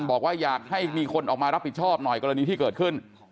บอกว่าอยากให้มีคนออกมารับผิดชอบหน่อยกรณีที่เกิดขึ้น